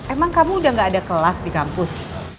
emang kamu udah gak ada kelas di kampus